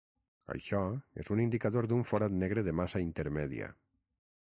Això, és un indicador d'un forat negre de massa intermèdia.